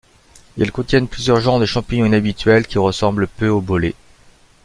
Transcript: Ils contiennent plusieurs genres de champignons inhabituels qui ressemblent peu aux bolets.